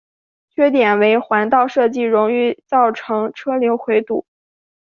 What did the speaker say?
缺点为环道设计容易造成车流回堵。